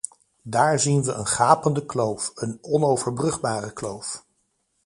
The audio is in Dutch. Daar zien we een gapende kloof, een onoverbrugbare kloof.